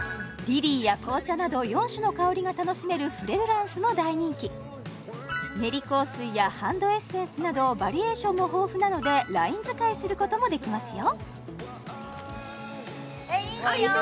はいが楽しめるフレグランスも大人気練り香水やハンドエッセンスなどバリエーションも豊富なのでライン使いすることもできますよ